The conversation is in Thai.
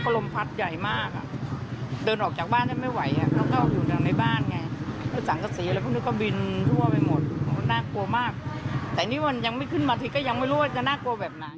แต่นี่แดงมากเลยนะแดงเยอะเลย